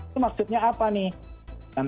itu maksudnya apa nih